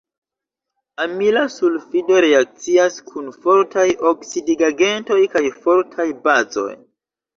Amila sulfido reakcias kun fortaj oksidigagentoj kaj fortaj bazoj.